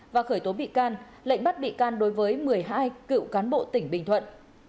và khởi tố bị can lệnh bắt bị can đối với một mươi hai cựu cán bộ tỉnh bình thuận